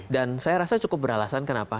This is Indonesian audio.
dan saya rasa cukup beralasan kenapa